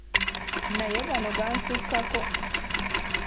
Naye gano gansukkako!